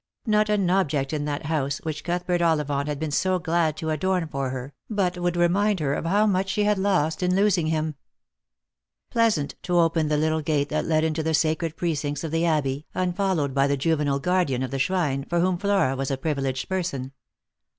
Not an object in that house, which Cuthbert Ollivant had been so glad to adorn for her, but woulcJ remind her of how much she had lost in losing him. Pleasant to open the little gate that led into the sacred pre cincts of the abbey, unfollowed by the juvenile guardian of the shrine, for whom Flora was a privileged person.